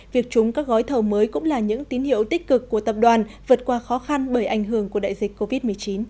việc trúng các gói thầu mới cũng là những tín hiệu tích cực của tập đoàn vượt qua khó khăn bởi ảnh hưởng của đại dịch covid một mươi chín